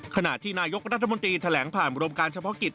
ขณะที่นายกรัฐมนตรีแถลงผ่านกรมการเฉพาะกิจ